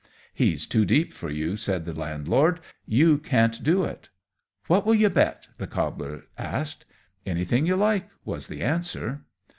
"He's too deep for you," said the Landlord; "you can't do it." "What will you bet?" the Cobbler asked. "Anything you like!" was the answer.